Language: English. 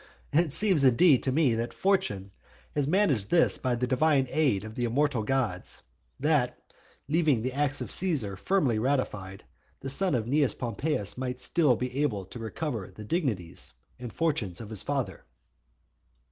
It seems indeed, to me, that Fortune has managed this by the divine aid of the immortal gods, that, leaving the acts of Caesar firmly ratified, the son of Cnaeus Pompeius might still be able to recover the dignities and fortunes of his father.